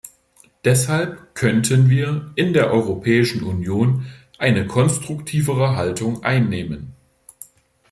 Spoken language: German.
Deshalb könnten wir in der Europäischen Union eine konstruktivere Haltung einnehmen.